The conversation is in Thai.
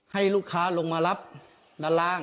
ให้ลูกค้าลงมารับด้านล่าง